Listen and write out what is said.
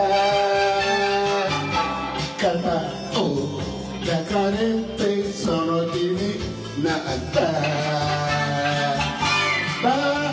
「肩を抱かれてその気になった」